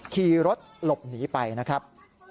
ขี่รถหลบหนีไปนะครับ